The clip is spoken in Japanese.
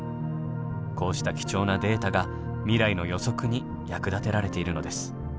こうした貴重なデータが未来の予測に役立てられているのです。